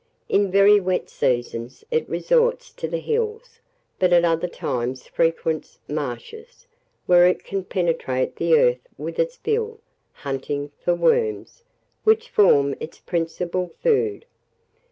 In very wet seasons it resorts to the hills, but at other times frequents marshes, where it can penetrate the earth with its bill, hunting for worms, which form its principal food.